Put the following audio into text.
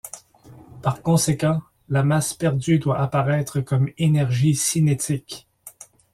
Par conséquent, la masse perdue doit apparaitre comme énergie cinétique.